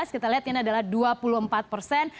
kita lihat ini adalah dua puluh empat persen